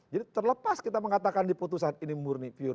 jadi terlepas kita mengatakan di putusan ini murni pure